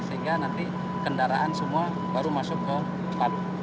sehingga nanti kendaraan semua baru masuk ke palu